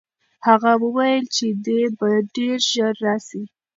هغه وویل چې دی به ډېر ژر راسي.